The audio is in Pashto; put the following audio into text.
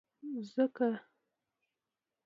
ځکه،